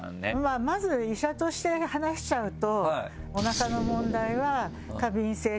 まず医者として話しちゃうと。